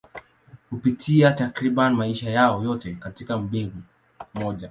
Hupitia takriban maisha yao yote katika mbegu moja.